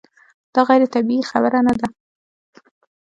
دا غیر طبیعي خبره نه ده.